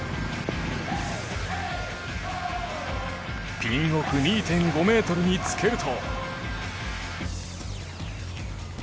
ピン奥２．５ｍにつけると。